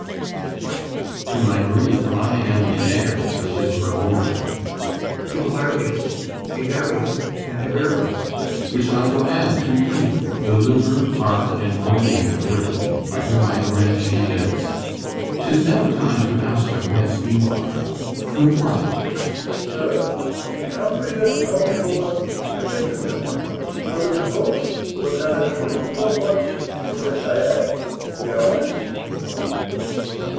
CYMBELINE. To my grief, I am The heir of his reward; [To BELARIUS, GUIDERIUS, and ARVIRAGUS] which I will add To you, the liver, heart, and brain, of Britain, By whom I grant she lives. 'Tis now the time To ask of whence you are. Report it. BELARIUS. Sir, In Cambria are we born, and gentlemen; Further to boast were neither true nor modest, Unless I add we are honest.